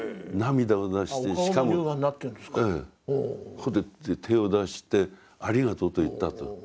それで手を出してありがとうと言ったと。